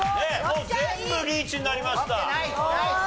全部リーチになりました。